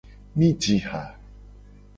Mi ji ha.